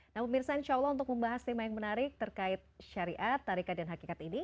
nah pemirsa insya allah untuk membahas tema yang menarik terkait syariat tarikat dan hakikat ini